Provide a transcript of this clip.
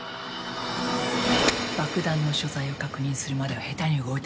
爆弾の所在を確認するまでは下手に動いたら危険。